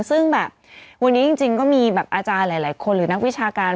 ซึ่งแบบวันนี้จริงก็มีแบบอาจารย์หลายคนหรือนักวิชาการ